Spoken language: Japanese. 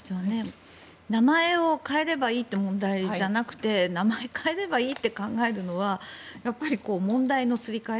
名前を変えればいいという問題じゃなくて名前を変えればいいって考えるのは問題のすり替え